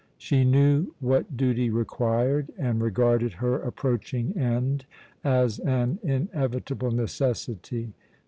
She knew what duty required, and regarded her approaching end as an inevitable necessity.